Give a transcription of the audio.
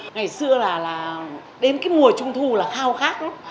ngày xưa là đến cái mùa trung thu là khao khát lắm